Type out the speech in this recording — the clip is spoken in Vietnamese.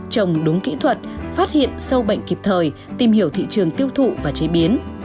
trồng đúng kỹ thuật phát hiện sâu bệnh kịp thời tìm hiểu thị trường tiêu thụ và chế biến